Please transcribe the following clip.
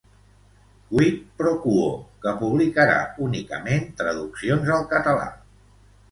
Quid pro Quo, que publicarà únicament traduccions al català.